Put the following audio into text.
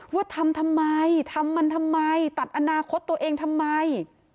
ว่าทำทำไมทำมันทำไมตัดอนาคตตัวเองทำไม